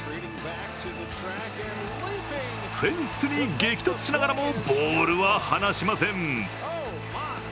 フェンスに激突しながらもボールははなしません。